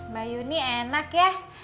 mbak yuni enak ya